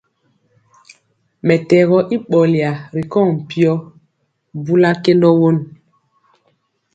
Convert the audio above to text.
Mɛtɛgɔ i ɓɔlya ri kɔŋ mpyɔ, bula kendɔ won.